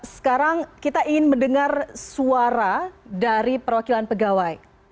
sekarang kita ingin mendengar suara dari perwakilan pegawai